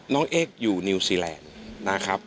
เอ็กซ์อยู่นิวซีแลนด์นะครับ